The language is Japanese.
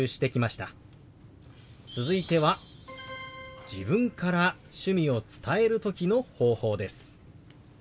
続いては自分から趣味を伝える時の方法です。